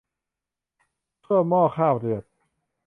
ชั่วหม้อข้าวเดือด